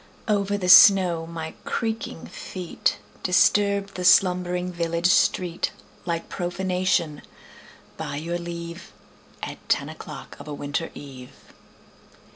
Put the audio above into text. Over the snow my creaking feet Disturbed the slumbering village street Like profanation, by your leave, At ten o'clock of a winter eve.